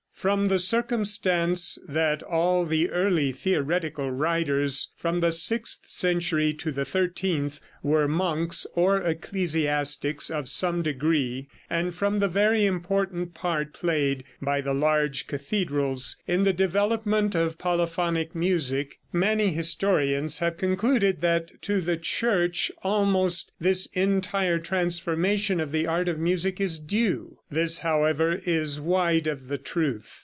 From the circumstance that all the early theoretical writers from the sixth century to the thirteenth were monks or ecclesiastics of some degree, and from the very important part played by the large cathedrals in the development of polyphonic music, many historians have concluded that to the Church almost this entire transformation of the art of music is due. This, however, is wide of the truth.